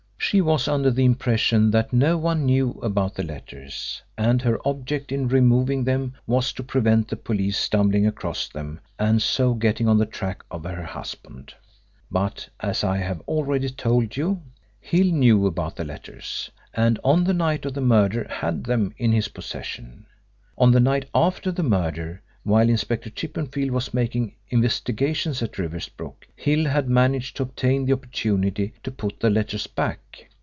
She was under the impression that no one knew about the letters, and her object in removing them was to prevent the police stumbling across them and so getting on the track of her husband. But as I have already told you, Hill knew about the letters, and on the night of the murder had them in his possession. On the night after the murder, while Inspector Chippenfield was making investigations at Riversbrook, Hill had managed to obtain the opportunity to put the letters back.